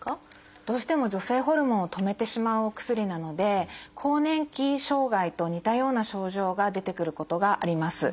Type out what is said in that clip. どうしても女性ホルモンを止めてしまうお薬なので更年期障害と似たような症状が出てくることがあります。